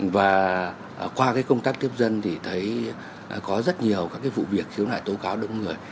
và qua công tác kiếp dân thì thấy có rất nhiều các vụ việc khiến lại tố cáo đất người